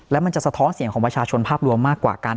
และมันจะสะท้อนเสียงของประชาชนภาพรวมมากกว่ากัน